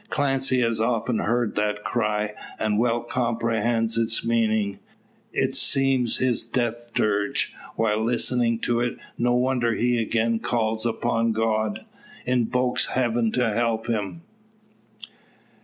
Clancy has often heard that cry, and well comprehends its meaning. It seems his death dirge. While listening to it no wonder he again calls upon God invokes Heaven to help him!